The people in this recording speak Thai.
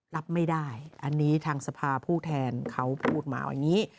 รับไม่ได้ทางทหารพูดมาแบบนี้